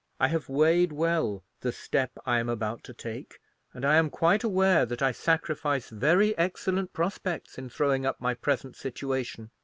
I have weighed well the step I am about to take, and I am quite aware that I sacrifice very excellent prospects in throwing up my present situation.